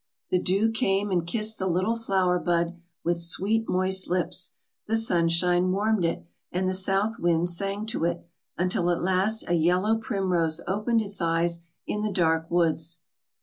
The dew came and kissed the little flower bud with sweet moist lips, the sunshine warmed it, and the south wind sang to it, until at last a yellow primrose opened its eyes in the dark woods.